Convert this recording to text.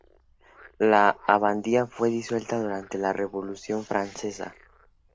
La abadía fue disuelta durante la Revolución francesa.